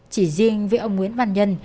chỉ riêng với ông nguyễn văn nhân